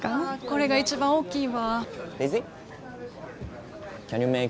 あこれが一番大きいわあ。